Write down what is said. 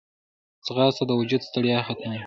ځغاسته د وجود ستړیا ختموي